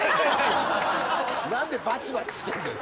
なんでバチバチしてるんだよ